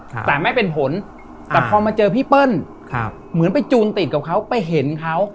แต่ไม่เป็นผลแต่พอมาเจอพี่เปิ้ลครับเหมือนไปจูนติดกับเขาไปเห็นเขา